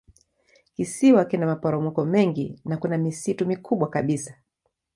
Kisiwa kina maporomoko mengi na kuna misitu mikubwa kabisa.